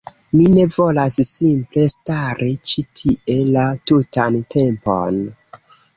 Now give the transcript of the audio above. Mi ne volas simple stari ĉi tie la tutan tempon.